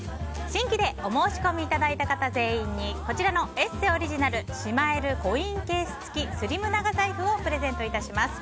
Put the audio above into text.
新規でお申し込みいただいた方全員にこちらの「ＥＳＳＥ」オリジナルしまえるコインケース付きスリム長財布をプレゼントいたします。